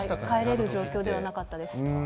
帰れる状況ではなかったです。